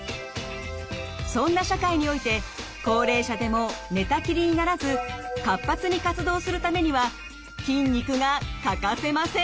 そんな社会において高齢者でも寝たきりにならず活発に活動するためには筋肉が欠かせません。